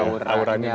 auranya gitu ya